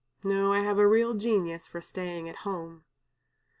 No, I have a real genius for staying at home."